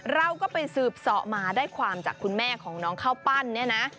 เราก็ไปสืบสอบมาได้ความจากคุณแม่ของน้องข้าวปั้นเนี่ยนะ